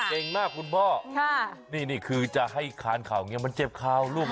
เก่งมากคุณพ่อนี่นี่คือจะให้คานข่าวอย่างนี้มันเจ็บข่าวลูก